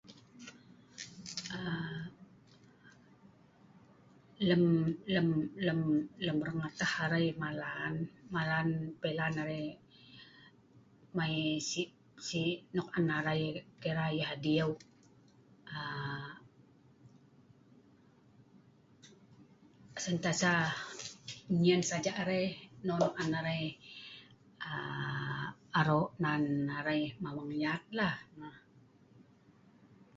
Aa.. lem lem lem lem long atah arei malan, malan pelan arei mei sik sik nok on arei kira yeh adieu aa.. sentiasa enyen saja arei non nok an arei aa.. arok nan arei mawang yat lah nonah